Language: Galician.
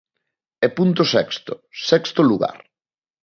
E punto sexto, sexto lugar.